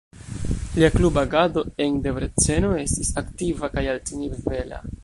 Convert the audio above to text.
Lia kluba agado en Debreceno estis aktiva kaj altnivela.